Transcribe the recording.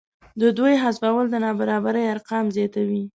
د دوی حذفول د نابرابرۍ ارقام زیاتوي